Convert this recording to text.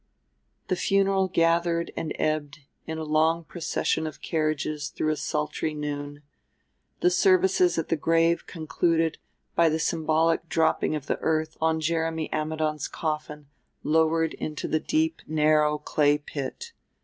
The funeral gathered and ebbed in a long procession of carriages through a sultry noon, the services at the grave concluded by the symbolic dropping of the earth on Jeremy Ammidon's coffin lowered into the deep narrow clay pit.